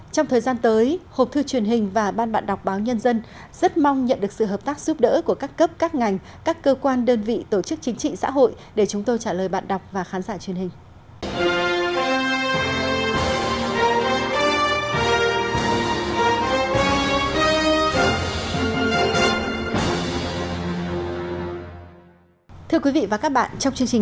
trong thời gian tới hộp thư truyền hình và ban bạn đọc báo nhân dân rất mong nhận được sự hợp tác giúp đỡ của các cấp các ngành các cơ quan đơn vị tổ chức chính trị xã hội để chúng tôi trả lời bạn đọc và khán giả truyền hình